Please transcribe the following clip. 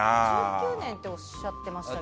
１９年っておっしゃってましたね。